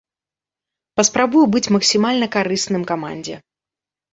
Паспрабую быць максімальна карысным камандзе.